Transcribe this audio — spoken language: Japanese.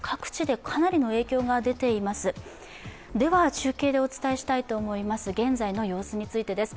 中継でお伝えしたいと思います、現在の様子についてです。